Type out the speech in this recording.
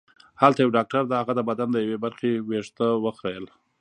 هلته یو ډاکټر د هغه د بدن د یوې برخې وېښته وخریل